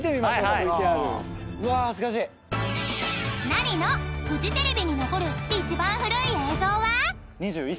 ［ナリのフジテレビに残る一番古い映像は］